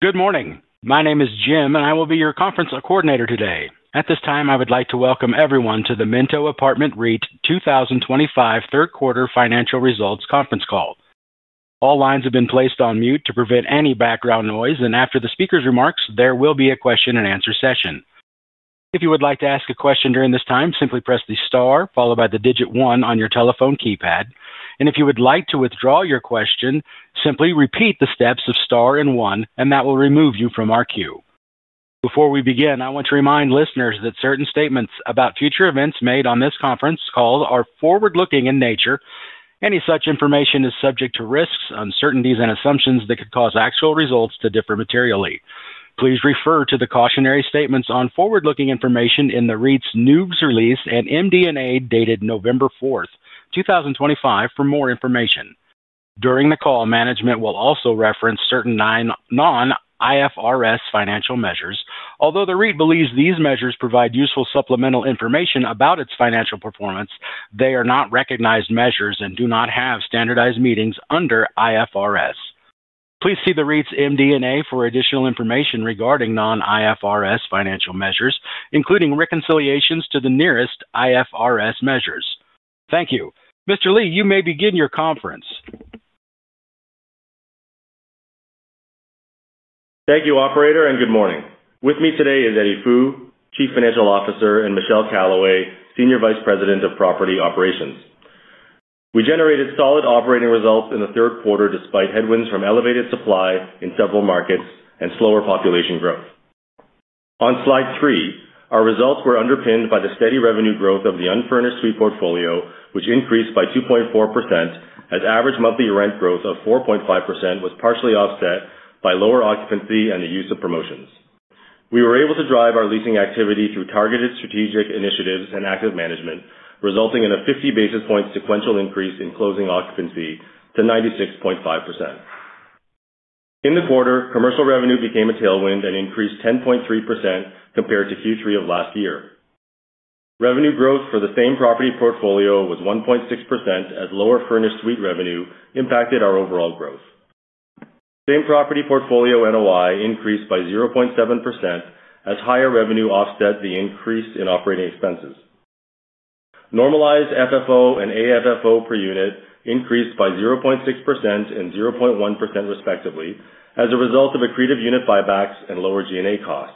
Good morning. My name is Jim, and I will be your conference coordinator today. At this time, I would like to welcome everyone to the Minto Apartment REIT 2025 third-quarter financial results conference call. All lines have been placed on mute to prevent any background noise, and after the speaker's remarks, there will be a question-and-answer session. If you would like to ask a question during this time, simply press the star followed by the digit one on your telephone keypad, and if you would like to withdraw your question, simply repeat the steps of star and one, and that will remove you from our queue. Before we begin, I want to remind listeners that certain statements about future events made on this conference call are forward-looking in nature. Any such information is subject to risks, uncertainties, and assumptions that could cause actual results to differ materially. Please refer to the cautionary statements on forward-looking information in the REIT's news release and MD&A dated November 4, 2025, for more information. During the call, management will also reference certain non-IFRS financial measures. Although the REIT believes these measures provide useful supplemental information about its financial performance, they are not recognized measures and do not have standardized meanings under IFRS. Please see the REIT's MD&A for additional information regarding non-IFRS financial measures, including reconciliations to the nearest IFRS measures. Thank you. Mr. Li, you may begin your conference. Thank you, operator, and good morning. With me today is Eddie Fu, Chief Financial Officer, and Michelle Calloway, Senior Vice President of Property Operations. We generated solid operating results in the third quarter despite headwinds from elevated supply in several markets and slower population growth. On slide three, our results were underpinned by the steady revenue growth of the unfurnished suite portfolio, which increased by 2.4% as average monthly rent growth of 4.5% was partially offset by lower occupancy and the use of promotions. We were able to drive our leasing activity through targeted strategic initiatives and active management, resulting in a 50 basis point sequential increase in closing occupancy to 96.5%. In the quarter, commercial revenue became a tailwind and increased 10.3% compared to Q3 of last year. Revenue growth for the same property portfolio was 1.6% as lower furnished suite revenue impacted our overall growth. Same property portfolio NOI increased by 0.7% as higher revenue offset the increase in operating expenses. Normalized FFO and AFFO per unit increased by 0.6% and 0.1% respectively as a result of accretive unit buybacks and lower G&A costs.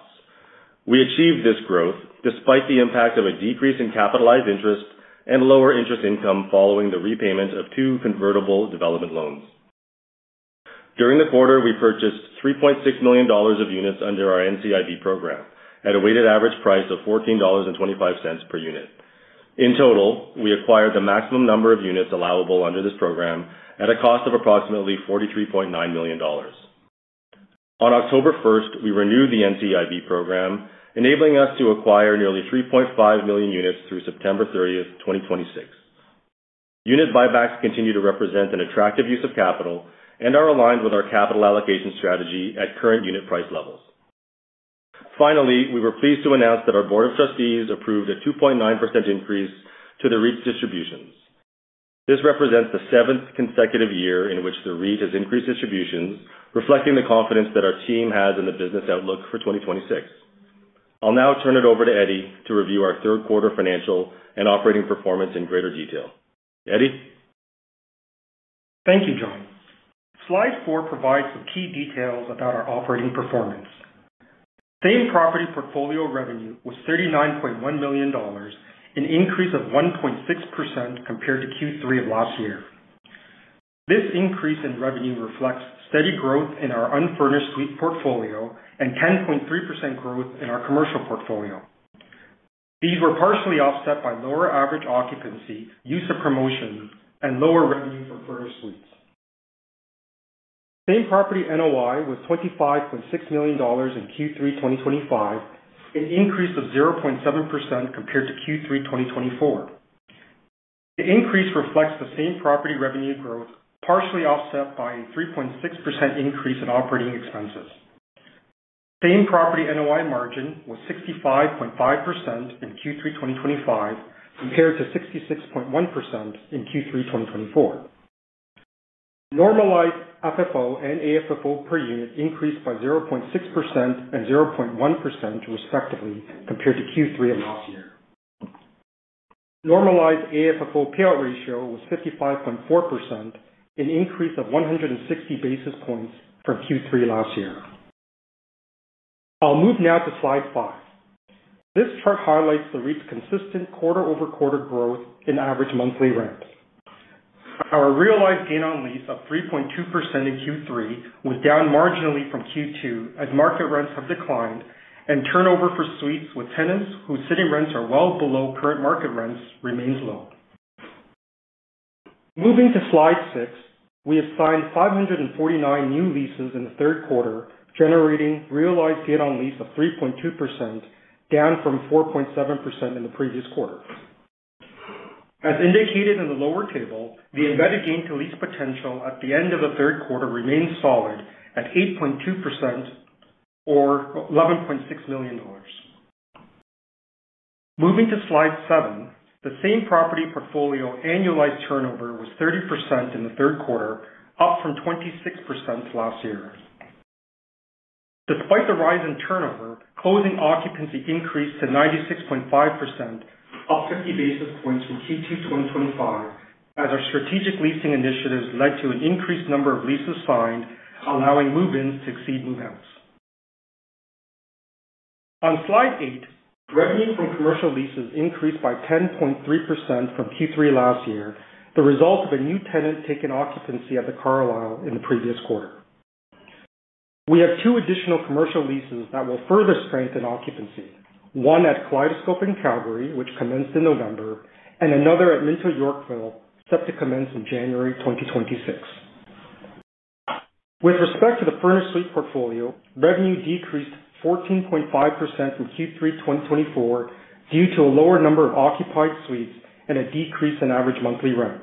We achieved this growth despite the impact of a decrease in capitalized interest and lower interest income following the repayment of two convertible development loans. During the quarter, we purchased 3.6 million dollars of units under our NCIB program at a weighted average price of 14.25 dollars per unit. In total, we acquired the maximum number of units allowable under this program at a cost of approximately 43.9 million dollars. On October 1st, we renewed the NCIB program, enabling us to acquire nearly 3.5 million units through September 30th, 2026. Unit buybacks continue to represent an attractive use of capital and are aligned with our capital allocation strategy at current unit price levels. Finally, we were pleased to announce that our Board of Trustees approved a 2.9% increase to the REIT's distributions. This represents the seventh consecutive year in which the REIT has increased distributions, reflecting the confidence that our team has in the business outlook for 2026. I'll now turn it over to Eddie to review our third-quarter financial and operating performance in greater detail. Eddie. Thank you, John. Slide four provides some key details about our operating performance. Same property portfolio revenue was 39.1 million dollars, an increase of 1.6% compared to Q3 of last year. This increase in revenue reflects steady growth in our unfurnished suite portfolio and 10.3% growth in our commercial portfolio. These were partially offset by lower average occupancy, use of promotions, and lower revenue from furnished suites. Same property NOI was 25.6 million dollars in Q3 2025, an increase of 0.7% compared to Q3 2024. The increase reflects the same property revenue growth partially offset by a 3.6% increase in operating expenses. Same property NOI margin was 65.5% in Q3 2025 compared to 66.1% in Q3 2024. Normalized FFO and AFFO per unit increased by 0.6% and 0.1% respectively compared to Q3 of last year. Normalized AFFO payout ratio was 55.4%, an increase of 160 basis points from Q3 last year. I'll move now to slide five. This chart highlights the REIT's consistent quarter-over-quarter growth in average monthly rent. Our realized gain on lease of 3.2% in Q3 was down marginally from Q2 as market rents have declined, and turnover for suites with tenants whose sitting rents are well below current market rents remains low. Moving to slide six, we assigned 549 new leases in the third quarter, generating realized gain on lease of 3.2%, down from 4.7% in the previous quarter. As indicated in the lower table, the embedded gain to lease potential at the end of the third quarter remains solid at 8.2% or 11.6 million dollars. Moving to slide seven, the same property portfolio annualized turnover was 30% in the third quarter, up from 26% last year. Despite the rise in turnover, closing occupancy increased to 96.5%, up 50 basis points from Q2 2025, as our strategic leasing initiatives led to an increased number of leases signed, allowing move-ins to exceed move-outs. On slide eight, revenue from commercial leases increased by 10.3% from Q3 last year, the result of a new tenant taking occupancy at the Carlisle in the previous quarter. We have two additional commercial leases that will further strengthen occupancy: one at Kaleidoscope in Calgary, which commenced in November, and another at Mint of Yorkville, set to commence in January 2026. With respect to the furnished suite portfolio, revenue decreased 14.5% from Q3 2024 due to a lower number of occupied suites and a decrease in average monthly rent.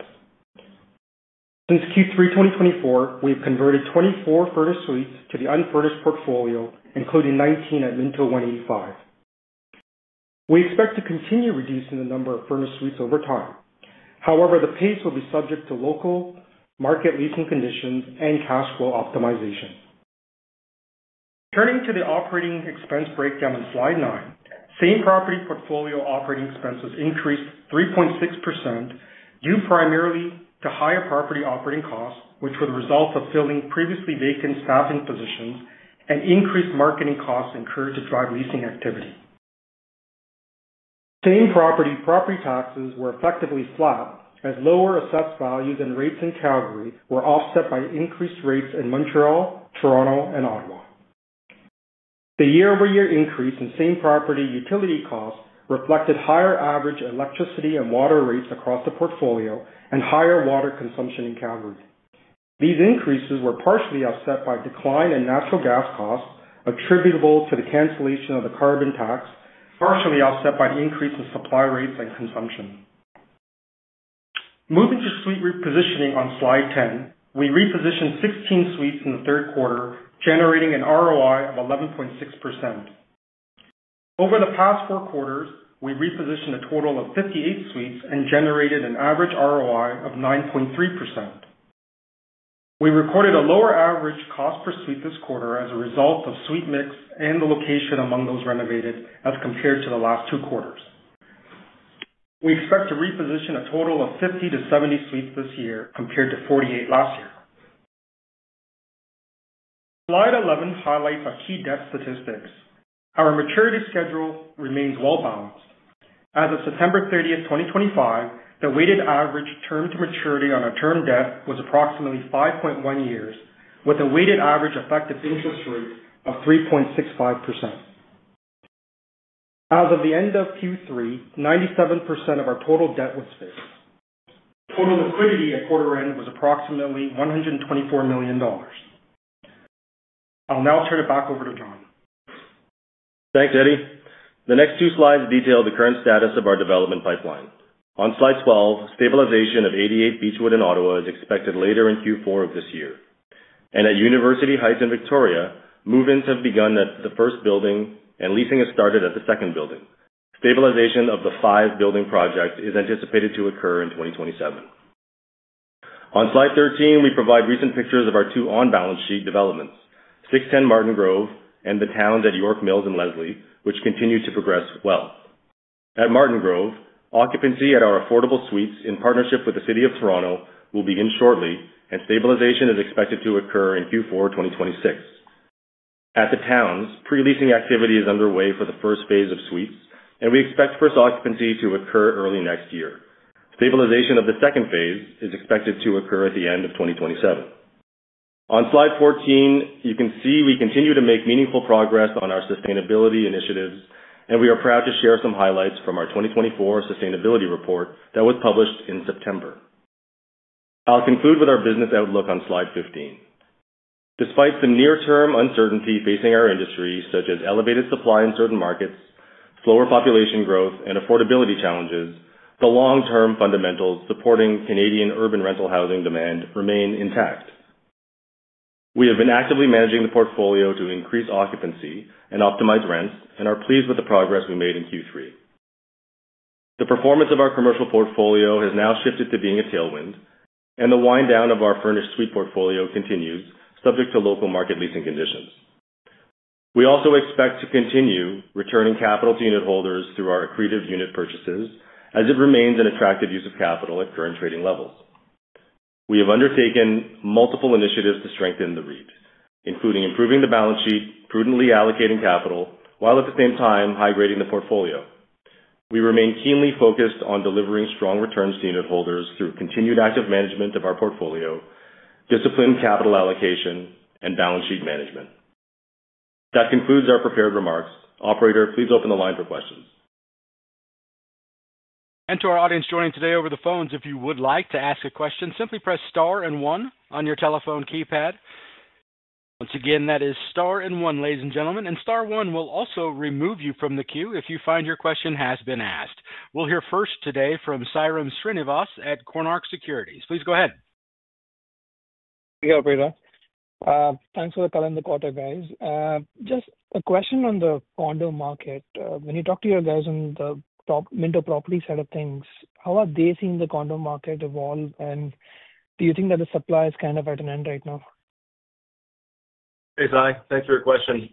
Since Q3 2024, we have converted 24 furnished suites to the unfurnished portfolio, including 19 at Mint of 185. We expect to continue reducing the number of furnished suites over time. However, the pace will be subject to local market leasing conditions and cash flow optimization. Turning to the operating expense breakdown on slide nine, same property portfolio operating expenses increased 3.6% due primarily to higher property operating costs, which were the result of filling previously vacant staffing positions and increased marketing costs incurred to drive leasing activity. Same property property taxes were effectively flat as lower asset values and rates in Calgary were offset by increased rates in Montréal, Toronto, and Ottawa. The year-over-year increase in same property utility costs reflected higher average electricity and water rates across the portfolio and higher water consumption in Calgary. These increases were partially offset by a decline in natural gas costs attributable to the cancellation of the carbon tax, partially offset by the increase in supply rates and consumption. Moving to suite repositioning on slide 10, we repositioned 16 suites in the third quarter, generating an ROI of 11.6%. Over the past four quarters, we repositioned a total of 58 suites and generated an average ROI of 9.3%. We recorded a lower average cost per suite this quarter as a result of suite mix and the location among those renovated as compared to the last two quarters. We expect to reposition a total of 50-70 suites this year compared to 48 last year. Slide 11 highlights our key debt statistics. Our maturity schedule remains well-balanced. As of September 30th, 2025, the weighted average term to maturity on a term debt was approximately 5.1 years, with a weighted average effective interest rate of 3.65%. As of the end of Q3, 97% of our total debt was fixed. Total liquidity at quarter end was approximately 124 million dollars. I'll now turn it back over to John. Thanks, Eddie. The next two slides detail the current status of our development pipeline. On slide 12, stabilization of 88 Beechwood in Ottawa is expected later in Q4 of this year. At University Heights in Victoria, move-ins have begun at the first building, and leasing has started at the second building. Stabilization of the five building projects is anticipated to occur in 2027. On slide 13, we provide recent pictures of our two on-balance sheet developments, 610 Martin Grove and the Towns at York Mills and Leslie, which continue to progress well. At Martin Grove, occupancy at our affordable suites in partnership with the City of Toronto will begin shortly, and stabilization is expected to occur in Q4 2026. At the Towns, pre-leasing activity is underway for the first phase of suites, and we expect first occupancy to occur early next yea. Stabilization of the second phase is expected to occur at the end of 2027. On slide 14, you can see we continue to make meaningful progress on our sustainability initiatives, and we are proud to share some highlights from our 2024 sustainability report that was published in September. I'll conclude with our business outlook on slide 15. Despite some near-term uncertainty facing our industry, such as elevated supply in certain markets, slower population growth, and affordability challenges, the long-term fundamentals supporting Canadian urban rental housing demand remain intact. We have been actively managing the portfolio to increase occupancy and optimize rents and are pleased with the progress we made in Q3. The performance of our commercial portfolio has now shifted to being a tailwind, and the wind down of our furnished suite portfolio continues, subject to local market leasing conditions. We also expect to continue returning capital to unit holders through our accretive unit purchases, as it remains an attractive use of capital at current trading levels. We have undertaken multiple initiatives to strengthen the REIT, including improving the balance sheet, prudently allocating capital, while at the same time high-grading the portfolio. We remain keenly focused on delivering strong returns to unit holders through continued active management of our portfolio, disciplined capital allocation, and balance sheet management. That concludes our prepared remarks. Operator, please open the line for questions. To our audience joining today over the phones, if you would like to ask a question, simply press star and one on your telephone keypad. Once again, that is star and one, ladies and gentlemen. Star one will also remove you from the queue if you find your question has been asked. We'll hear first today from Sairam Srinivas at Cormark Securities. Please go ahead. Hey, thanks for the call in the quarter, guys. Just a question on the condo market. When you talk to your guys on the top Minto Property side of things, how are they seeing the condo market evolve? Do you think that the supply is kind of at an end right now? Hey, Sai. Thanks for your question.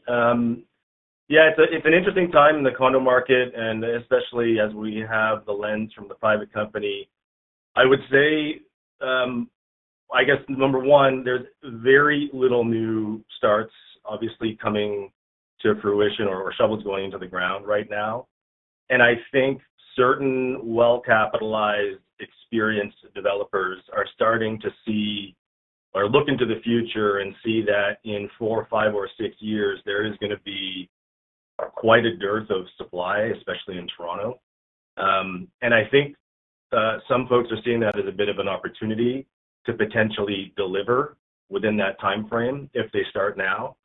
Yeah, it's an interesting time in the condo market, and especially as we have the lens from the private company. I would say. I guess number one, there's very little new starts, obviously, coming to fruition or shovels going into the ground right now. I think certain well-capitalized, experienced developers are starting to see or look into the future and see that in four, five, or six years, there is going to be quite a dearth of supply, especially in Toronto. I think some folks are seeing that as a bit of an opportunity to potentially deliver within that timeframe if they start now.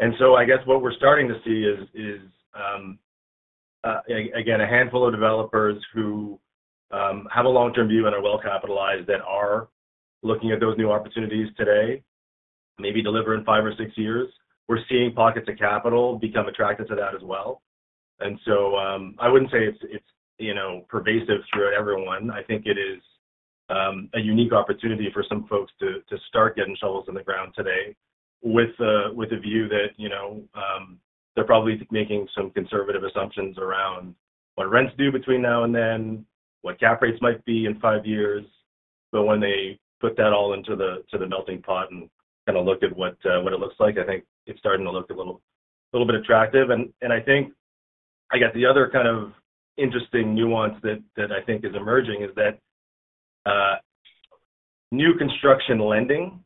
I guess what we're starting to see is, again, a handful of developers who have a long-term view and are well-capitalized that are looking at those new opportunities today, maybe deliver in five or six years. We're seeing pockets of capital become attracted to that as well. I wouldn't say it's pervasive throughout everyone. I think it is a unique opportunity for some folks to start getting shovels in the ground today with a view that they're probably making some conservative assumptions around what rents do between now and then, what cap rates might be in five years. When they put that all into the melting pot and kind of look at what it looks like, I think it's starting to look a little bit attractive. I think the other kind of interesting nuance that I think is emerging is that new construction lending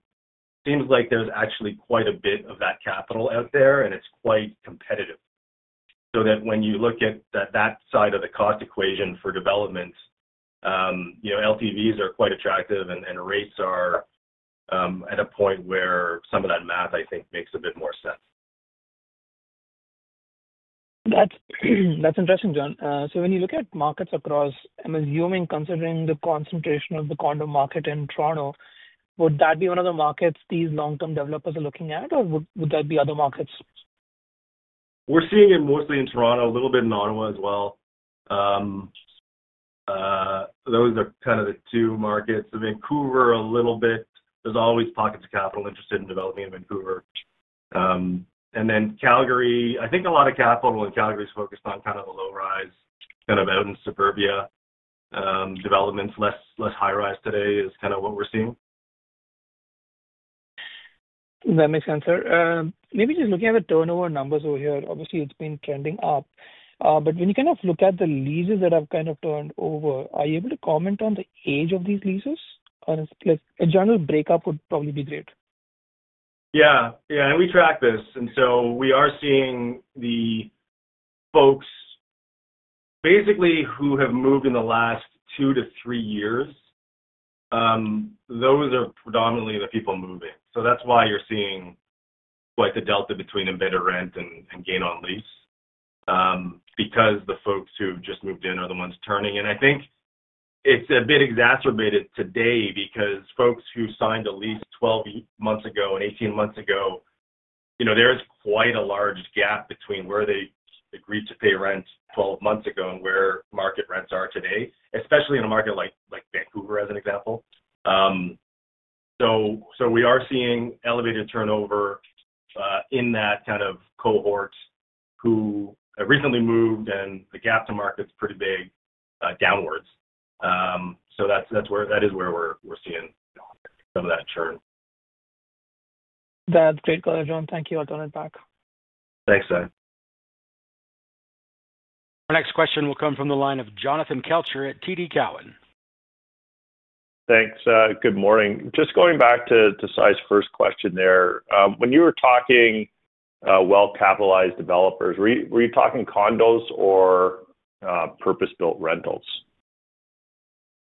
seems like there's actually quite a bit of that capital out there, and it's quite competitive. When you look at that side of the cost equation for developments, your LTVs are quite attractive and rates are at a point where some of that math, I think, makes a bit more sense. That's interesting, Jon. When you look at markets across, I'm assuming, considering the concentration of the condo market in Toronto, would that be one of the markets these long-term developers are looking at, or would that be other markets? We're seeing it mostly in Toronto, a little bit in Ottawa as well. Those are kind of the two markets. Vancouver, a little bit. There's always pockets of capital interested in developing in Vancouver. Calgary, I think a lot of capital in Calgary is focused on kind of the low-rise, kind of out in suburbia. Developments, less high-rise today is kind of what we're seeing. That makes sense, sir. Maybe just looking at the turnover numbers over here, obviously, it's been trending up. When you kind of look at the leases that have kind of turned over, are you able to comment on the age of these leases? A general breakup would probably be great. Yeah. Yeah. And we track this. We are seeing the folks basically who have moved in the last two to three years. Those are predominantly the people moving. That is why you are seeing quite the delta between embedded rent and gain on lease because the folks who just moved in are the ones turning. I think it is a bit exacerbated today because folks who signed a lease 12 months ago and 18 months ago, there is quite a large gap between where they agreed to pay rent 12 months ago and where market rents are today, especially in a market like Vancouver, as an example. We are seeing elevated turnover in that kind of cohort who have recently moved, and the gap to market is pretty big downwards. That is where we are seeing some of that turn. That's great, Jon. Thank you. I'll turn it back. Thanks, Sai. Our next question will come from the line of Jonathan Kelcher at TD Cowen. Thanks. Good morning. Just going back to Sai's first question there. When you were talking, well-capitalized developers, were you talking condos or purpose-built rentals?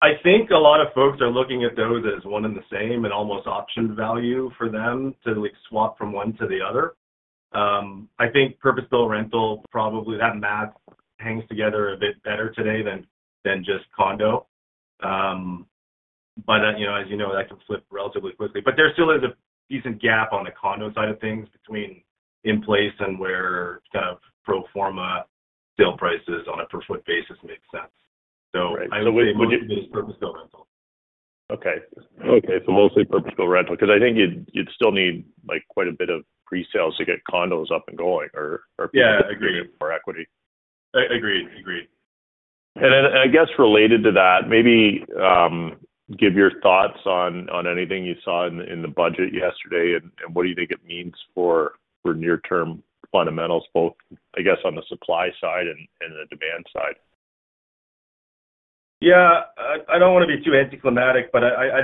I think a lot of folks are looking at those as one and the same and almost option value for them to swap from one to the other. I think purpose-built rental probably that math hangs together a bit better today than just condo. As you know, that can flip relatively quickly. There still is a decent gap on the condo side of things between in place and where kind of pro forma sale prices on a per-foot basis make sense. I would say purpose-built rental. Okay. Okay. So mostly purpose-built rental because I think you'd still need quite a bit of pre-sales to get condos up and going or. Yeah, I agree. Equity. Agreed. Agreed. I guess related to that, maybe. Give your thoughts on anything you saw in the budget yesterday and what do you think it means for near-term fundamentals, both, I guess, on the supply side and the demand side? Yeah. I don't want to be too anticlimactic, but I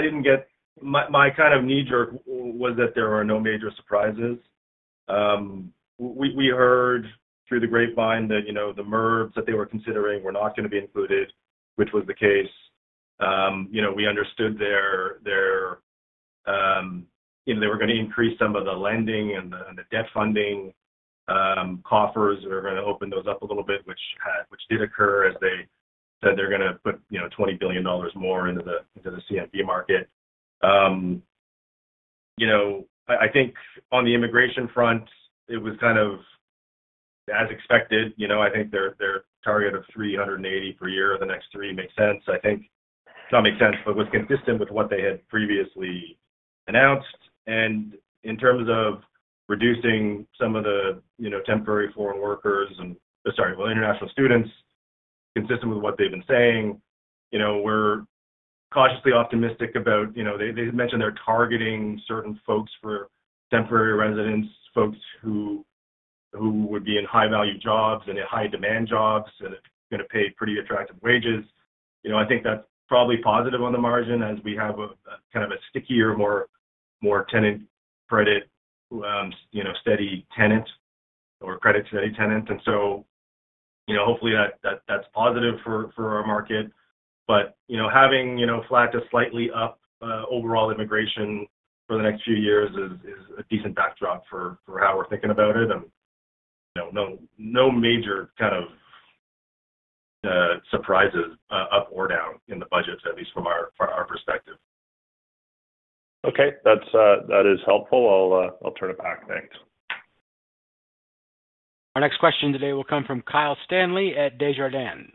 didn't get my kind of knee-jerk was that there were no major surprises. We heard through the grapevine that the MERBs that they were considering were not going to be included, which was the case. We understood, they were going to increase some of the lending and the debt funding. Coffers were going to open those up a little bit, which did occur as they said they're going to put 20 billion dollars more into the CFD market. I think on the immigration front, it was kind of as expected. I think their target of 380,000 per year over the next three makes sense. I think it does make sense, but was consistent with what they had previously announced. In terms of reducing some of the temporary foreign workers and, sorry, well, international students, consistent with what they've been saying, we're cautiously optimistic about they mentioned they're targeting certain folks for temporary residence, folks who would be in high-value jobs and in high-demand jobs and going to pay pretty attractive wages. I think that's probably positive on the margin as we have kind of a stickier, more tenant credit, steady tenant or credit steady tenant. Hopefully, that's positive for our market. Having flat to slightly up overall immigration for the next few years is a decent backdrop for how we're thinking about it. No major kind of surprises up or down in the budget, at least from our perspective. Okay. That is helpful. I'll turn it back. Thanks. Our next question today will come from Kyle Stanley at Desjardins.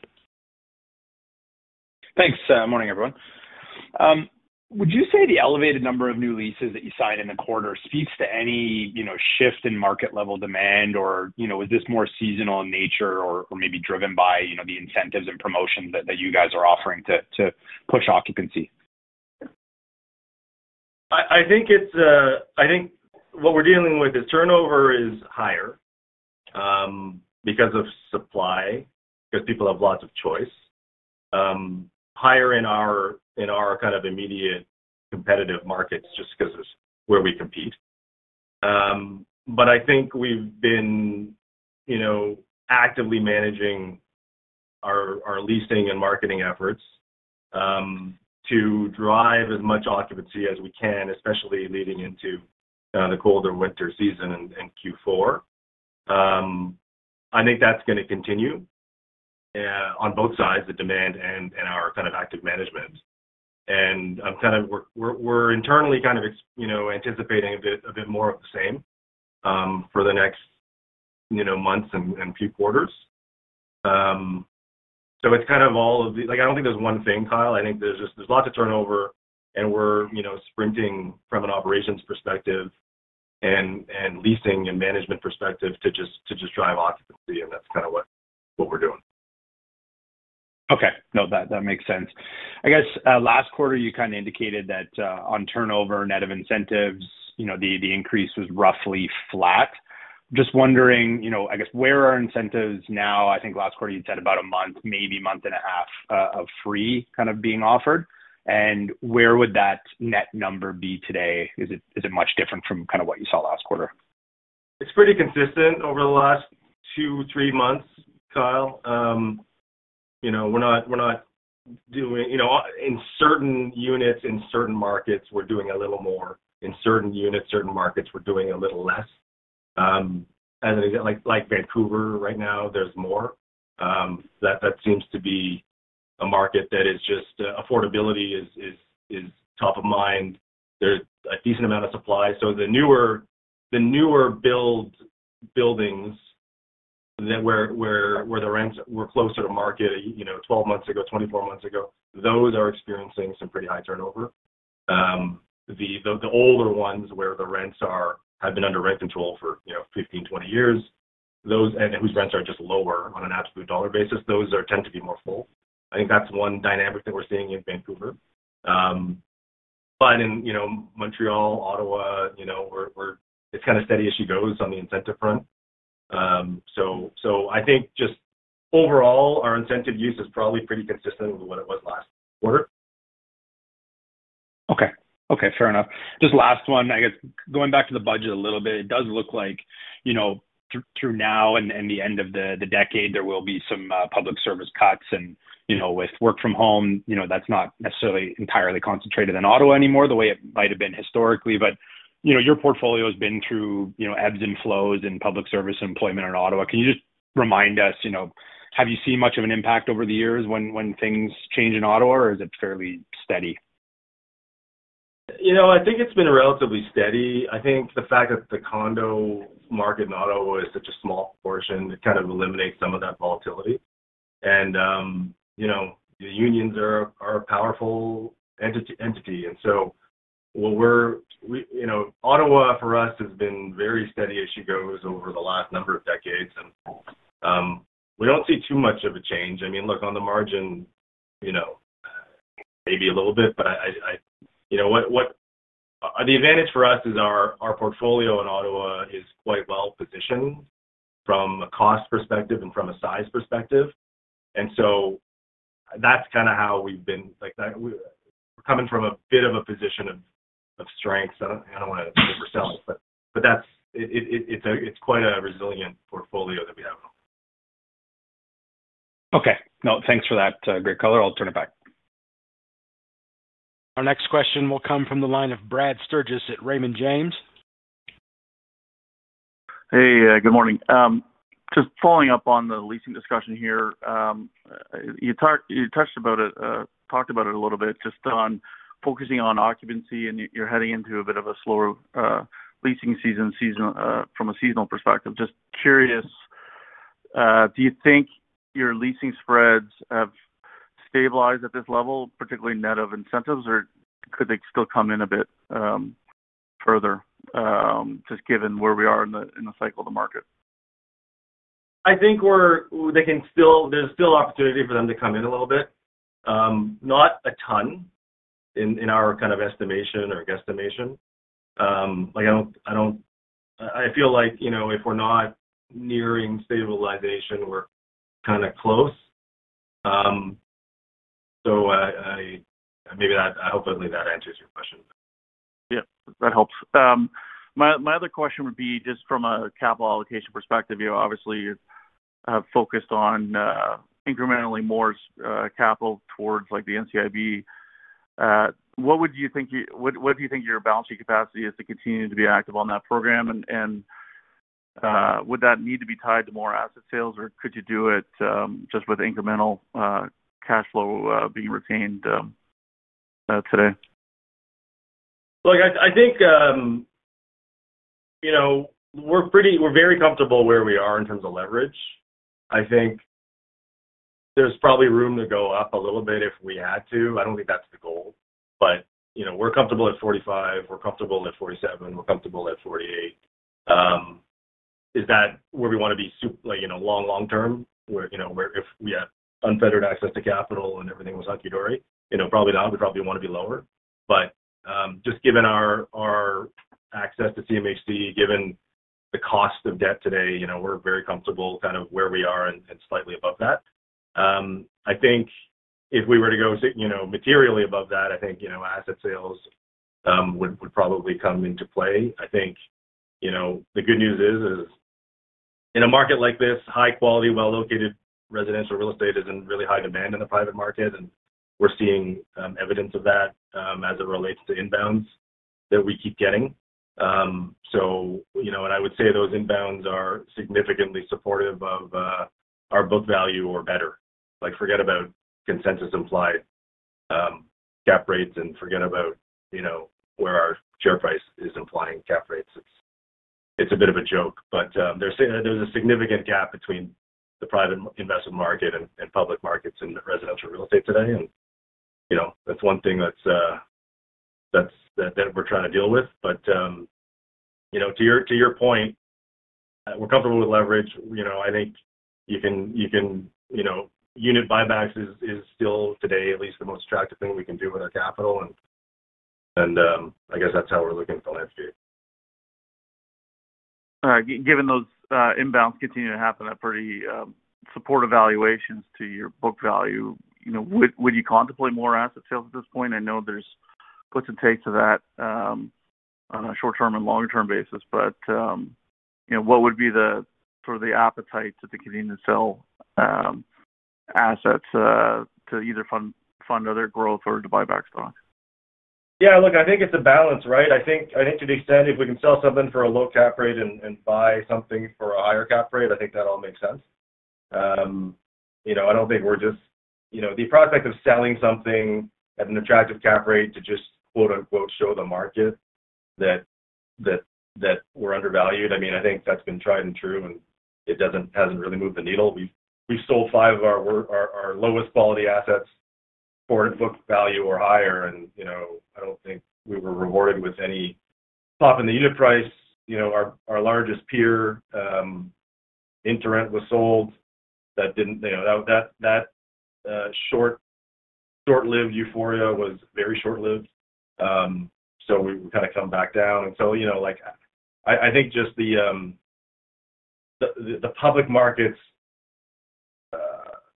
Thanks. Good morning, everyone. Would you say the elevated number of new leases that you signed in the quarter speaks to any shift in market-level demand, or is this more seasonal in nature or maybe driven by the incentives and promotions that you guys are offering to push occupancy? I think what we're dealing with is turnover is higher because of supply, because people have lots of choice. Higher in our kind of immediate competitive markets just because it's where we compete. I think we've been actively managing our leasing and marketing efforts to drive as much occupancy as we can, especially leading into the colder winter season and Q4. I think that's going to continue on both sides, the demand and our kind of active management. We're internally kind of anticipating a bit more of the same for the next months and few quarters. I don't think there's one thing, Kyle. I think there's a lot to turnover, and we're sprinting from an operations perspective and leasing and management perspective to just drive occupancy. That's kind of what we're doing. Okay. No, that makes sense. I guess last quarter, you kind of indicated that on turnover, net of incentives, the increase was roughly flat. Just wondering, I guess, where are incentives now? I think last quarter, you'd said about a month, maybe a month and a half of free kind of being offered. And where would that net number be today? Is it much different from kind of what you saw last quarter? It's pretty consistent over the last two, three months, Kyle. We're not doing in certain units, in certain markets, we're doing a little more. In certain units, certain markets, we're doing a little less. Like Vancouver right now, there's more. That seems to be a market that is just affordability is top of mind. There's a decent amount of supply. The newer buildings where the rents were closer to market 12 months ago, 24 months ago, those are experiencing some pretty high turnover. The older ones where the rents have been under rent control for 15, 20 years, and whose rents are just lower on an absolute dollar basis, those tend to be more full. I think that's one dynamic that we're seeing in Vancouver. In Montréal, Ottawa, it's kind of steady as she goes on the incentive front. I think just overall, our incentive use is probably pretty consistent with what it was last quarter. Okay. Okay. Fair enough. Just last one, I guess, going back to the budget a little bit, it does look like through now and the end of the decade, there will be some public service cuts. With work from home, that's not necessarily entirely concentrated in Ottawa anymore the way it might have been historically. Your portfolio has been through ebbs and flows in public service and employment in Ottawa. Can you just remind us, have you seen much of an impact over the years when things change in Ottawa, or is it fairly steady? I think it's been relatively steady. I think the fact that the condo market in Ottawa is such a small portion, it kind of eliminates some of that volatility. The unions are a powerful entity. Ottawa for us has been very steady as she goes over the last number of decades. We don't see too much of a change. I mean, look, on the margin, maybe a little bit, but the advantage for us is our portfolio in Ottawa is quite well positioned from a cost perspective and from a size perspective. That's kind of how we've been coming from a bit of a position of strength. I don't want to oversell it, but it's quite a resilient portfolio that we have. Okay. No, thanks for that color. I'll turn it back. Our next question will come from the line of Brad Sturges at Raymond James. Hey, good morning. Just following up on the leasing discussion here. You touched about it, talked about it a little bit, just on focusing on occupancy, and you're heading into a bit of a slower leasing season from a seasonal perspective. Just curious, do you think your leasing spreads have stabilized at this level, particularly net of incentives, or could they still come in a bit further? Just given where we are in the cycle of the market? I think. There's still opportunity for them to come in a little bit. Not a ton, in our kind of estimation or guesstimation. I feel like if we're not nearing stabilization, we're kind of close. Maybe I hope that answers your question. Yeah. That helps. My other question would be just from a capital allocation perspective. You obviously have focused on incrementally more capital towards the NCIB. What would you think your, what do you think your balance sheet capacity is to continue to be active on that program? Would that need to be tied to more asset sales, or could you do it just with incremental cash flow being retained today? I think. We're very comfortable where we are in terms of leverage. I think there's probably room to go up a little bit if we had to. I don't think that's the goal but we're comfortable at 45%, we're comfortable at 47%, we're comfortable at 48%. Is that where we want to be long, long-term, where if we have unfettered access to capital and everything was hunky-dory? Probably not, we probably want to be lower. Just given our access to CMHC, given the cost of debt today, we're very comfortable kind of where we are and slightly above that. I think if we were to go materially above that, I think asset sales would probably come into play. The good news is, in a market like this, high-quality, well-located residential real estate is in really high demand in the private market. We are seeing evidence of that as it relates to inbounds that we keep getting. I would say those inbounds are significantly supportive of our book value or better. Forget about consensus implied cap rates and forget about where our share price is implying cap rates. It is a bit of a joke. There is a significant gap between the private investment market and public markets in residential real estate today. That is one thing that we are trying to deal with. To your point, we are comfortable with leverage. I think unit buybacks is still today, at least, the most attractive thing we can do with our capital. I guess that is how we are looking at the landscape. All right. Given those inbounds continue to happen, pretty supportive valuations to your book value, would you contemplate more asset sales at this point? I know there's puts and takes to that on a short-term and longer-term basis. What would be sort of the appetite to continue to sell assets to either fund other growth or to buy back stock? Yeah. Look, I think it's a balance, right? I think to the extent if we can sell something for a low cap rate and buy something for a higher cap rate, I think that all makes sense. I don't think we're just the prospect of selling something at an attractive cap rate to just "show the market" that we're undervalued. I mean, I think that's been tried and true, and it hasn't really moved the needle. We've sold five of our lowest quality assets for book value or higher. I don't think we were rewarded with any pop in the unit price. Our largest peer, InterRent, was sold. That short-lived euphoria was very short-lived. We kind of come back down. I think just the public markets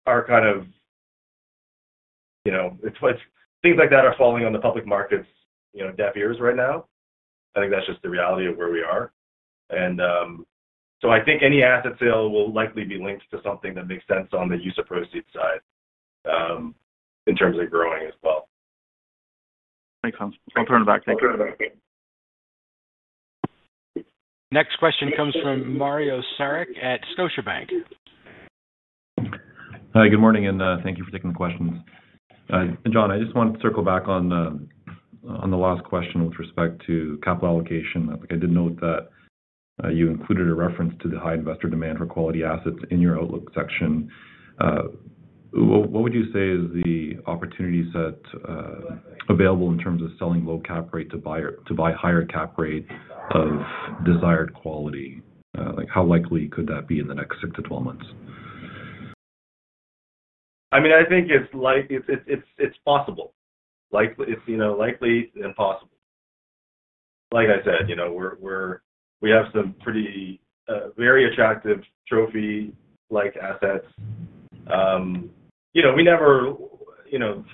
are kind of, things like that are falling on the public markets' deaf ears right now, I think that's just the reality of where we are. I think any asset sale will likely be linked to something that makes sense on the use of proceeds side, in terms of growing as well. Makes sense. I'll turn it back. Thank you. I'll turn it back. Next question comes from Mario Saric at Scotiabank. Hi. Good morning, and thank you for taking the questions. Jon, I just want to circle back on the last question with respect to capital allocation. I did note that you included a reference to the high investor demand for quality assets in your outlook section. What would you say is the opportunity set available in terms of selling low cap rate to buy higher cap rate of desired quality? How likely could that be in the next 6-12 months? I mean, I think it's possible. Likely and possible. Like I said, we have some pretty, very attractive trophy-like assets. We never, the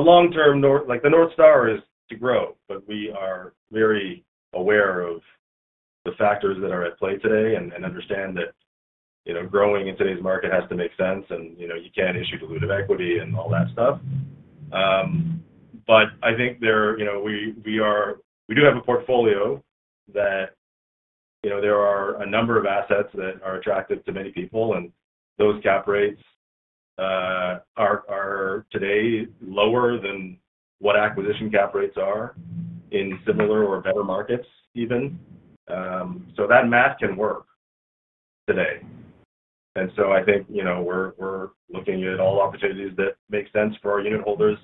long-term, the North Star is to grow, but we are very aware of the factors that are at play today and understand that growing in today's market has to make sense, and you can't issue dilutive equity and all that stuff. I think we do have a portfolio that, there are a number of assets that are attractive to many people, and those cap rates are today lower than what acquisition cap rates are in similar or better markets even. That math can work today. I think we're looking at all opportunities that make sense for our unit holders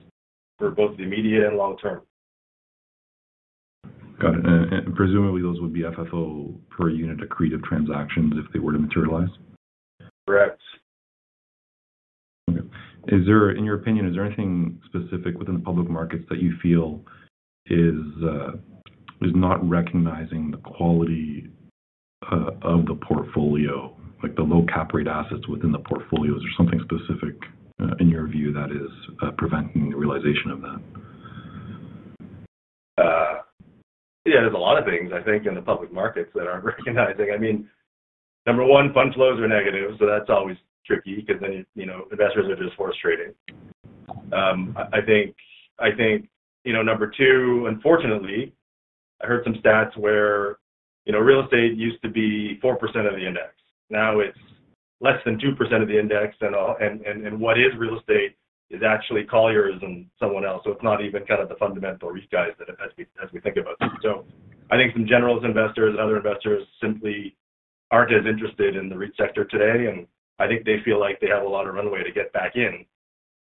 for both the immediate and long-term. Got it. Presumably, those would be FFO per unit accretive transactions if they were to materialize? Correct. Okay. In your opinion, is there anything specific within the public markets that you feel is not recognizing the quality of the portfolio, like the low cap rate assets within the portfolios? Is there something specific, in your view, that is preventing the realization of that? Yeah. There are a lot of things, I think, in the public markets that are not recognizing. I mean, number one, fund flows are negative. That is always tricky because then investors are just horse trading, I think. Number two, unfortunately, I heard some stats where real estate used to be 4% of the index. Now it is less than 2% of the index. And what is real estate is actually Colliers and someone else. It is not even kind of the fundamental REIT guys as we think about them. I think some generalist investors and other investors simply are not as interested in the REIT sector today. I think they feel like they have a lot of runway to get back in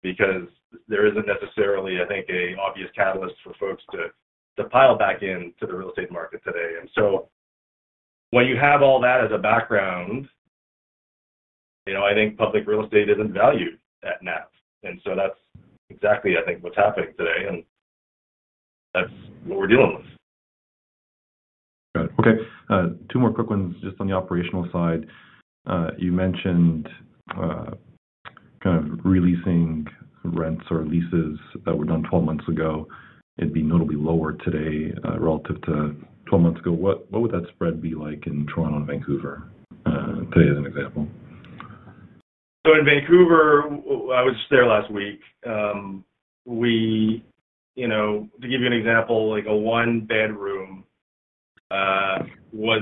because there is not necessarily, I think, an obvious catalyst for folks to pile back into the real estate market today. When you have all that as a background, I think public real estate isn't valued at NAV. That's exactly, I think, what's happening today. That's what we're dealing with. Got it. Okay. Two more quick ones just on the operational side. You mentioned kind of releasing rents or leases that were done 12 months ago. It would be notably lower today relative to 12 months ago. What would that spread be like in Toronto and Vancouver today as an example? In Vancouver, I was there last week. To give you an example, a one-bedroom was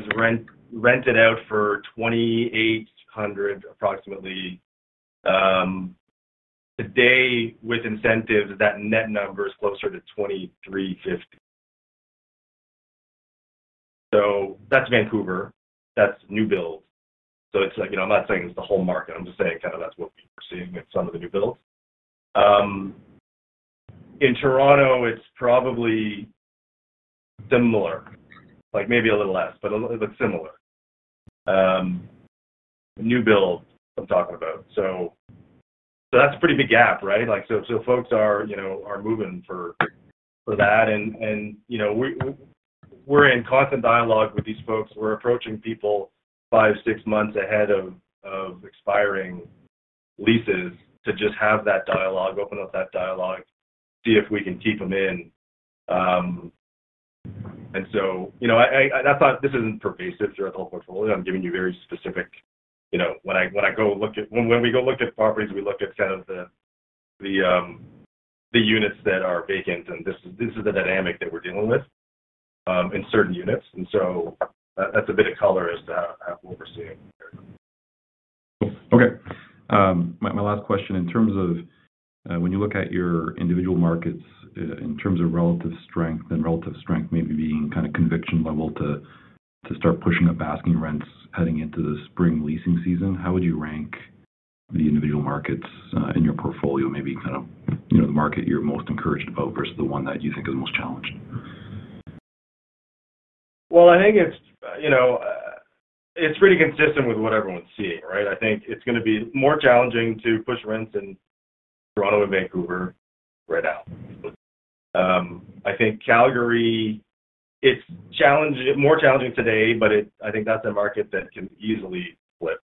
rented out for $2,800 approximately. Today, with incentives, that net number is closer to $2,350. That is Vancouver. That is new builds. I am not saying it is the whole market. I am just saying kind of that is what we are seeing with some of the new builds. In Toronto, it is probably similar, maybe a little less, but similar. New build, I am talking about. That is a pretty big gap, right? Folks are moving for that. We are in constant dialogue with these folks. We are approaching people five, six months ahead of expiring leases to just have that dialogue, open up that dialogue, see if we can keep them in. I thought this is not pervasive throughout the whole portfolio. I am giving you very specific. When we go look at properties, we look at kind of the units that are vacant. This is the dynamic that we're dealing with in certain units. That's a bit of color as to what we're seeing. Okay. My last question. In terms of when you look at your individual markets in terms of relative strength and relative strength maybe being kind of conviction level to start pushing up asking rents heading into the spring leasing season, how would you rank the individual markets in your portfolio, maybe kind of the market you're most encouraged about versus the one that you think is most challenged? I think it's pretty consistent with what everyone's seeing, right? I think it's going to be more challenging to push rents in Toronto and Vancouver right now. I think Calgary, it's more challenging today, but I think that's a market that can easily flip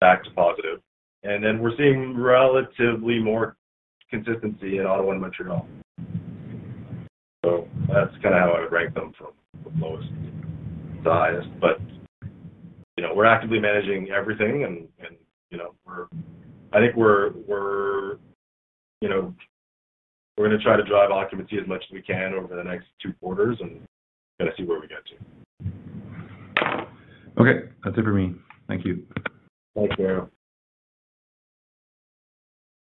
back to positive. We're seeing relatively more consistency in Ottawa and Montreal. That's kind of how I would rank them from lowest to highest. We're actively managing everything. I think we're going to try to drive occupancy as much as we can over the next two quarters, and we're going to see where we get to. Okay. That's it for me. Thank you. Thank you.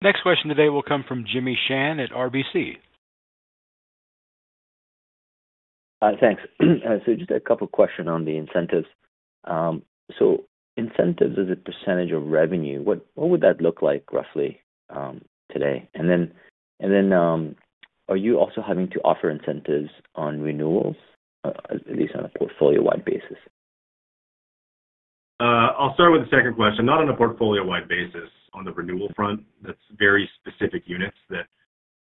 Next question today will come from Jimmy Shan at RBC. Thanks. Just a couple of questions on the incentives. Incentives as a percentage of revenue, what would that look like roughly today? Are you also having to offer incentives on renewals, at least on a portfolio-wide basis? I'll start with the second question. Not on a portfolio-wide basis. On the renewal front, that's very specific units that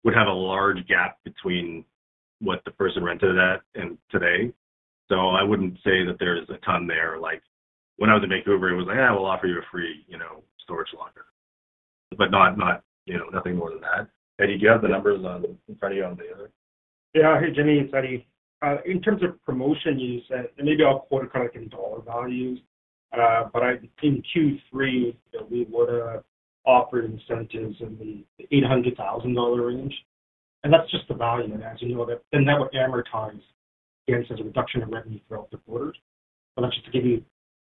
would have a large gap between what the person rented at and today. I wouldn't say that there's a ton there. When I was in Vancouver, it was like, "Hey, we'll offer you a free storage locker." Nothing more than that. Eddie, do you have the numbers in front of you on the other? Yeah. Hey, Jimmy, it's Eddie. In terms of promotion, you said maybe I'll quote it kind of in dollar values. In Q3, we would have offered incentives in the 800,000 dollar range. That's just the value. As you know, that would amortize against the reduction of revenue throughout the quarter. That's just to give you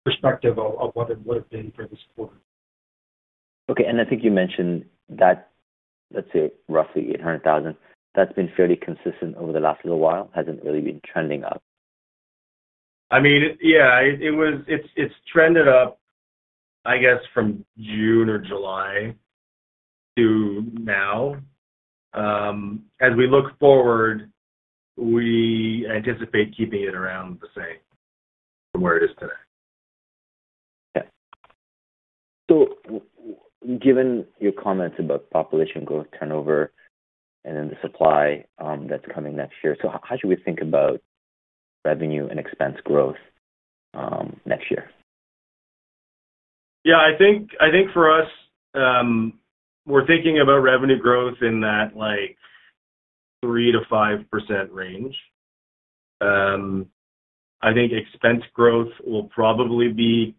perspective of what it would have been for this quarter. Okay. I think you mentioned that. Let's say, roughly 800,000. That's been fairly consistent over the last little while. Hasn't really been trending up. I mean, yeah. It's trended up, I guess, from June or July to now. As we look forward, we anticipate keeping it around the same from where it is today. Yeah. So, given your comments about population growth, turnover, and then the supply that's coming next year, how should we think about revenue and expense growth next year? Yeah. I think for us, we're thinking about revenue growth in that 3%-5% range. I think expense growth will probably be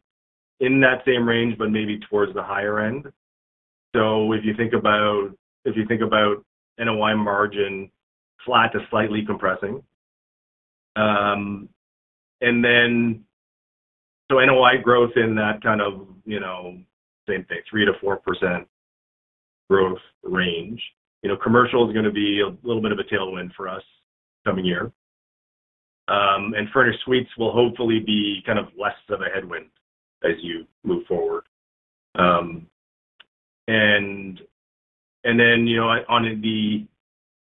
in that same range, but maybe towards the higher end. If you think about NOI margin, flat to slightly compressing. NOI growth in that kind of same thing, 3%-4% growth range. Commercial is going to be a little bit of a tailwind for us coming year. Furnished suites will hopefully be kind of less of a headwind as you move forward. On the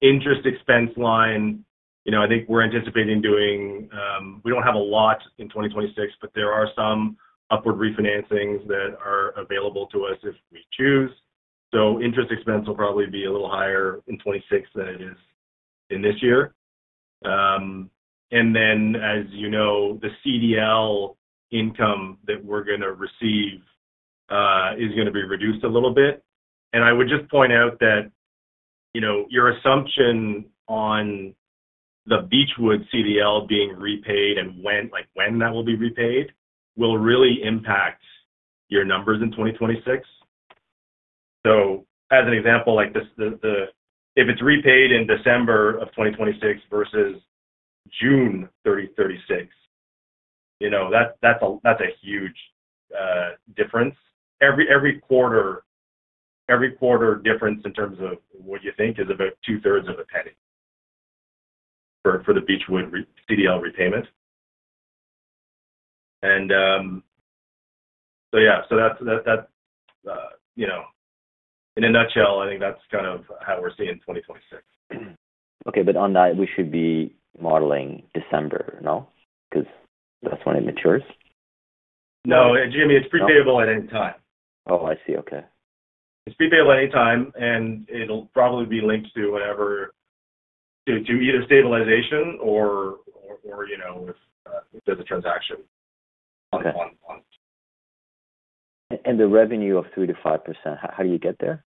interest expense line, I think we're anticipating doing, we do not have a lot in 2026, but there are some upward refinancings that are available to us if we choose. Interest expense will probably be a little higher in 2026 than it is in this year. As you know, the CDL income that we're going to receive is going to be reduced a little bit. I would just point out that your assumption on the Beechwood CDL being repaid and when that will be repaid will really impact your numbers in 2026. As an example, if it's repaid in December 2026 versus June 2026, that's a huge difference. Every quarter difference in terms of what you think is about 2/3 of a penny for the Beechwood CDL repayment. Yeah, that's, in a nutshell, I think that's kind of how we're seeing 2026. Okay. On that, we should be modeling December, no because that's when it matures? No. Jimmy, it's prepayable at any time. Oh, I see. Okay. It's prepayable at any time, and it'll probably be linked to either stabilization or, with, a transaction. Okay. The revenue of 3-5%, how do you get there?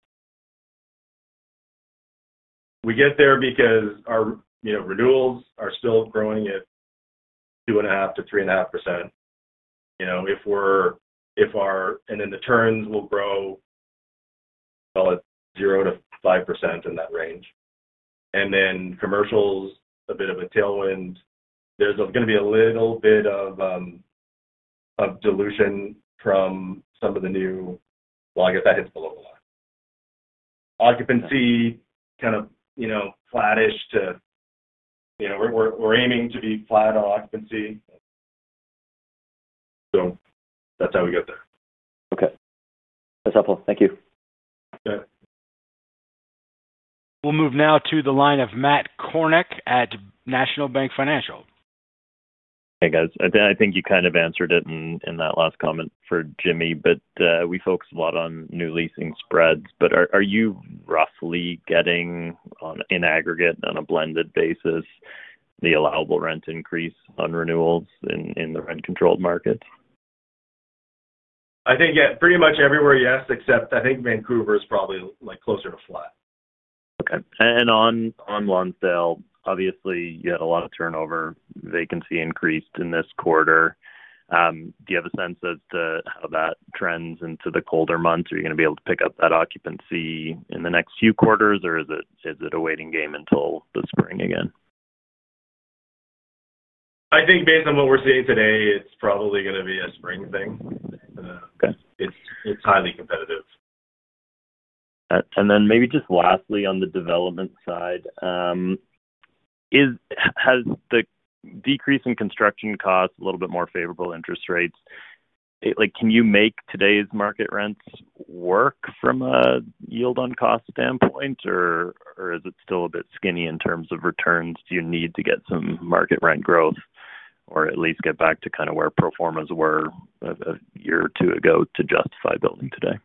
We get there because our renewals are still growing at 2.5%-3.5%. If we're, and then the turns will grow 0-5% in that range. Commercials, a bit of a tailwind. There's going to be a little bit of dilution from some of the new, well, I guess that hits the local line. Occupancy kind of flattish to, we're aiming to be flat on occupancy. That's how we get there. Okay. That's helpful. Thank you. Good. We'll move now to the line of Matt Kornack at National Bank Financial. Hey, guys. I think you kind of answered it in that last comment for Jimmy, but we focus a lot on new leasing spreads. Are you roughly getting, in aggregate, on a blended basis, the allowable rent increase on renewals in the rent-controlled markets? I think, yeah, pretty much everywhere, yes, except I think Vancouver is probably closer to flat. Okay. On long sale, obviously, you had a lot of turnover, vacancy increased in this quarter. Do you have a sense as to how that trends into the colder months? Are you going to be able to pick up that occupancy in the next few quarters, or is it a waiting game until the spring again? I think based on what we're seeing today, it's probably going to be a spring thing. It's highly competitive. Maybe just lastly on the development side. Has the decrease in construction costs, a little bit more favorable interest rates, can you make today's market rents work from a yield-on-cost standpoint, or is it still a bit skinny in terms of returns? Do you need to get some market rent growth or at least get back to kind of where proformas were a year or two ago to justify building today?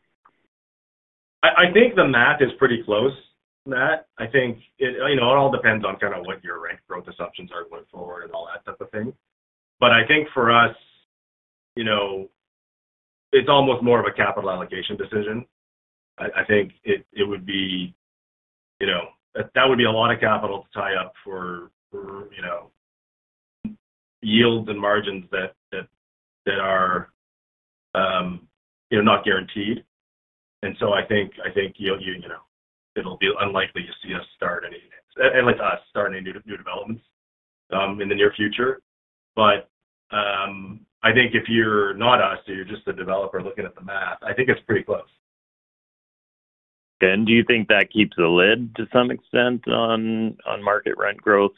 I think the math is pretty close, Matt. I think it all depends on kind of what your rent growth assumptions are going forward and all that type of thing. I think for us, it's almost more of a capital allocation decision. I think it would be a lot of capital to tie up for yields and margins that are not guaranteed. I think it will be unlikely to see us start any, at least us, start any new developments in the near future. I think if you're not us, or you're just a developer looking at the math, I think it's pretty close. Do you think that keeps a lid to some extent on market rent growth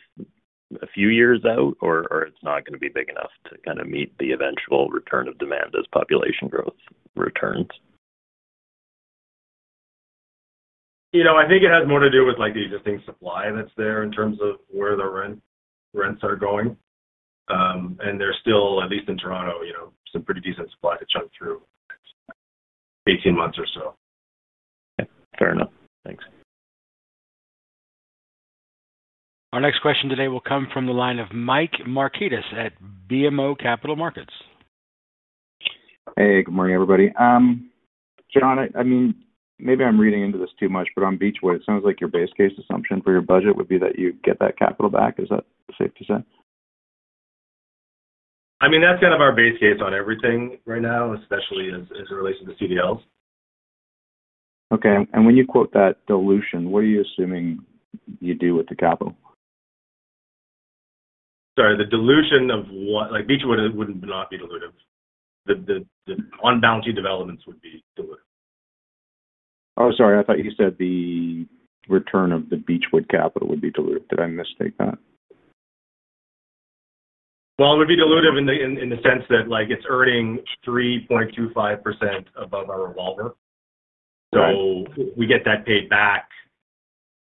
a few years out, or it's not going to be big enough to kind of meet the eventual return of demand as population growth returns? I think it has more to do with the existing supply that's there in terms of where the rents are going. There's still, at least in Toronto, some pretty decent supply to chug through eighteen months or so. Okay. Fair enough. Thanks. Our next question today will come from the line of Mike Markidis at BMO Capital Markets. Hey, good morning, everybody. Jon, I mean, maybe I'm reading into this too much, but on Beechwood, it sounds like your base case assumption for your budget would be that you get that capital back. Is that safe to say? I mean, that's kind of our base case on everything right now, especially as it relates to the CDLs. Okay. When you quote that dilution, what are you assuming you do with the capital? Sorry, the dilution of what, Beechwood would not be diluted. The unbalanced developments would be diluted. Oh, sorry. I thought you said the return of the Beechwood capital would be diluted. Did I misstate that? It would be diluted in the sense that it's earning 3.25% above our revolver. We get that paid back,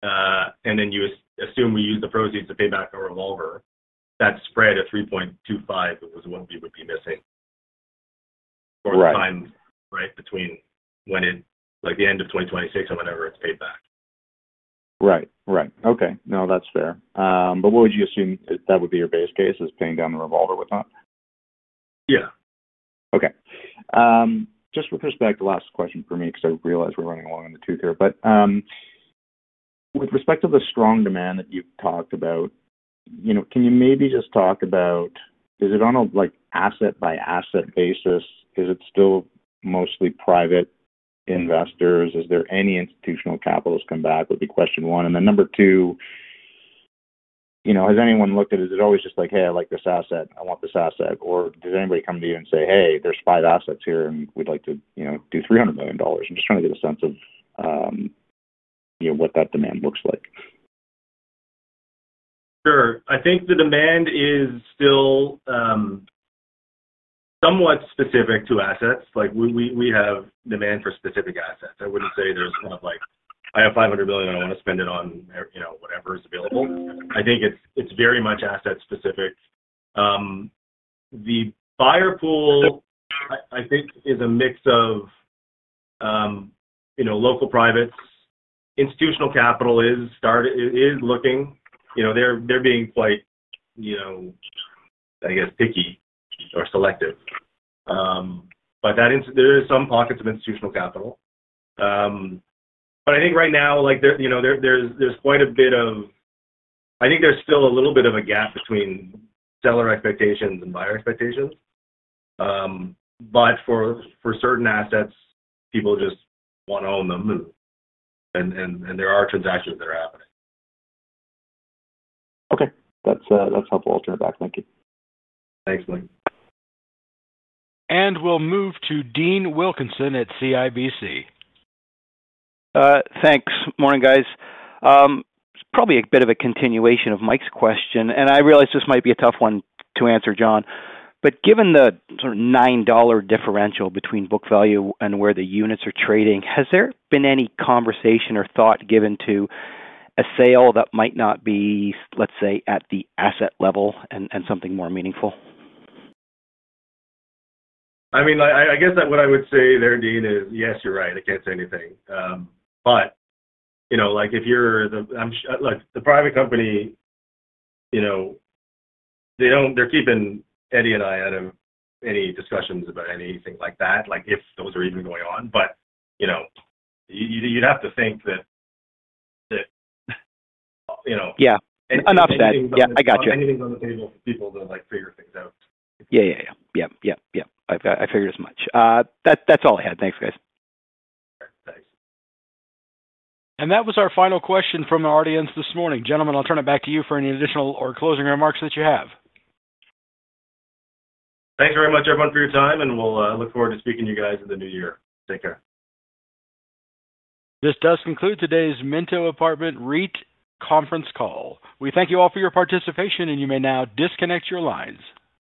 and then you assume we use the proceeds to pay back our revolver. That spread of 3.25% is what we would be missing, or time, right, between the end of 2026 and whenever it's paid back. Right. Right. Okay. No, that's fair. What would you assume that would be your base case is paying down the revolver with that? Yeah. Okay. Just with respect, the last question for me because I realize we're running long on the tooth here. With respect to the strong demand that you've talked about, can you maybe just talk about, is it on an asset-by-asset basis? Is it still mostly private investors? Is there any institutional capital to come back would be question one. Number two, has anyone looked at it? Is it always just like, "Hey, I like this asset, I want this asset." Or does anybody come to you and say, "Hey, there's five assets here, and we'd like to do 300 million dollars," I'm just trying to get a sense of what that demand looks like. Sure. I think the demand is still somewhat specific to assets. We have demand for specific assets. I wouldn't say there's kind of like, "I have 500 million. I want to spend it on whatever is available." I think it's very much asset-specific. The buyer pool, I think, is a mix of local privates. Institutional capital is looking. They're being quite, I guess, picky or selective. There are some pockets of institutional capital. I think right now there's quite a bit of, I think there's still a little bit of a gap between seller expectations and buyer expectations. For certain assets, people just want to own them and there are transactions that are happening. Okay. That's helpful. I'll turn it back. Thank you. Thanks, Mike. We will move to Dean Wilkinson at CIBC. Thanks. Morning, guys. Probably a bit of a continuation of Mike's question. I realize this might be a tough one to answer, Jon. Given the sort of 9 dollar differential between book value and where the units are trading, has there been any conversation or thought given to a sale that might not be, let's say, at the asset level and something more meaningful? I mean, I guess what I would say there, Dean, is, yes, you're right. I can't say anything. If you're the—look, the private company, they're keeping Eddie and I out of any discussions about anything like that, if those are even going on. You'd have to think that. [Yeah. Enough said.] Yeah. I got you. Anything's on the table for people to figure things out. Yeah, yeah. Yep, yep. I figured as much. That's all I had. Thanks, guys. Thanks. That was our final question from our audience this morning. Gentlemen, I'll turn it back to you for any additional or closing remarks that you have. Thanks very much, everyone, for your time. We will look forward to speaking to you guys in the new year. Take care. This does conclude today's Minto Apartment REIT conference call. We thank you all for your participation, and you may now disconnect your lines.